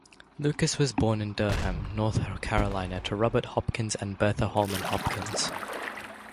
Lucas was born in Durham, North Carolina to Robert Hopkins and Bertha Holman Hopkins.